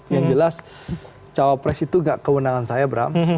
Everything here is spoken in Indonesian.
yang jelas cowok presiden itu tidak kewenangan saya bram